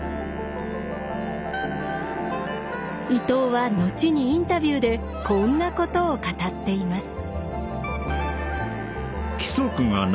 伊藤は後にインタビューでこんなことを語っています。